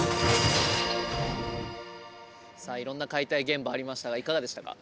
さあいろんな解体現場ありましたがいかがでしたか？